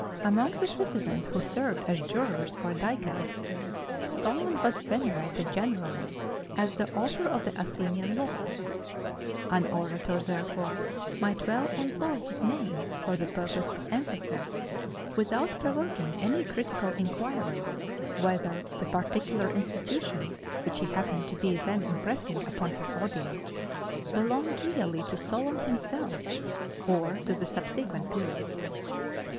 Among the citizens who served as jurors or dicasts, Solon was venerated generally as the author of the Athenian laws. An orator, therefore, might well employ his name for the purpose of emphasis, without provoking any critical inquiry whether the particular institution, which he happened to be then impressing upon his audience, belonged really to Solon himself or to the subsequent periods.